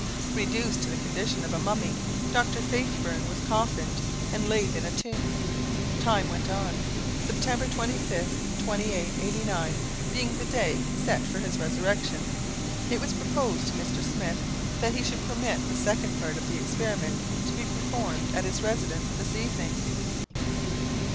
Reduced to the condition of a mummy, Dr. Faithburn was coffined and laid in a tomb. Time went on. September 25th, 2889, being the day set for his resurrection, it was proposed to Mr. Smith that he should permit the second part of the experiment to be performed at his residence this evening.